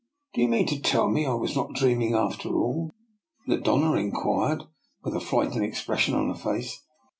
" Do you mean to tell me I was not dreaming after all? " the Doiia inquired, with a frightened expression on her face.